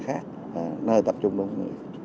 khác nơi tập trung đông